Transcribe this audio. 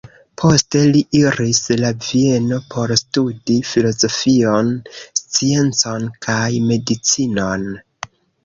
Poste li iris al Vieno por studi filozofion, sciencon kaj medicinon.